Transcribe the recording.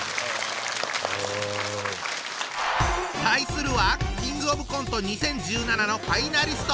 対するはキングオブコント２０１７のファイナリスト！